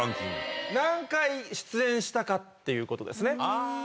何回出演したかっていうことですね。